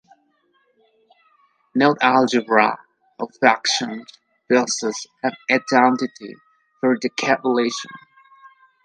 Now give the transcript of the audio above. No algebra of functions possesses an identity for the convolution.